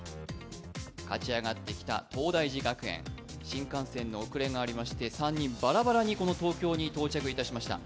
勝ち上がってきた東大寺学園、新幹線の遅れがありまして３人ばらばらにこの東京に到着いたしました。